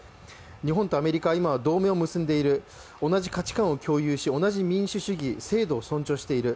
日本とアメリカは今同盟を結んでいる同じ価値観を共有し同じ民主主義制度を尊重している。